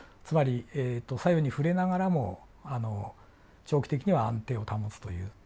つまり左右に振れながらも長期的には安定を保つという。